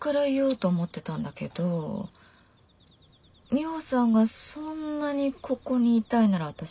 ミホさんがそんなにここにいたいなら私